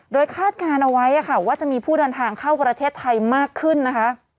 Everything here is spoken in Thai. โดยคาดการณ์เอาไว้ค่ะว่าจะมีผู้เดินทางเข้าประเทศไทยมากขึ้นนะคะ